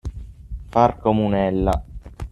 Far comunella.